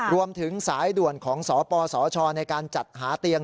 รวมถึงสายด่วนของสปสชในการจัดหาเตียง